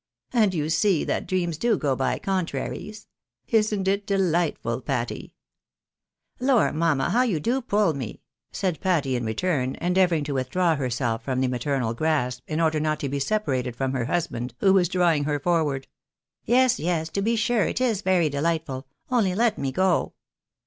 And you see that dreams do go by contraries. Isn't it delightful, Patty ?"" Lor, mamma, how you do pull me !" said Patty, in return, endeavouring to withdraw herself from the maternal grasp, in order not to be separated from her husband, who was drawing her forward, " Yes, yes, to be sure, it is very delightful — only let me go."